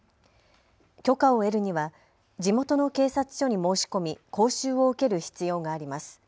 許可を得るには地元の警察署に申し込み講習を受ける必要があります。